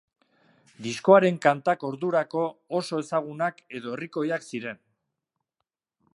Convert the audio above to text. Diskoaren kantak ordurako oso ezagunak edo herrikoiak ziren.